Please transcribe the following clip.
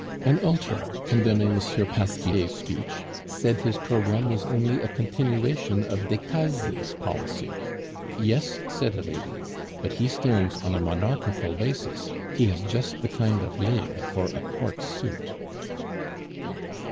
An Ultra, condemning M. Pasquier's speech, said his programme was only a continuation of Decaze's policy. "Yes," said a lady, "but he stands on a Monarchical basis, he has just the kind of leg for a Court suit."